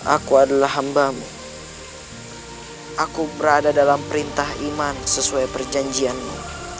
aku adalah hambamu aku berada dalam perintah iman sesuai perjanjianmu